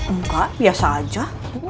enggak biasa aja